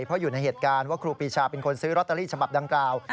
เพราะอยู่ในเหตุการณ์ว่าครูปีชาเป็นคนซื้อลอตเตอรี่ฉบับดังกล่าว